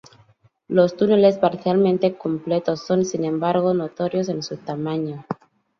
Los túneles parcialmente completos son, sin embargo, notorios en su tamaño.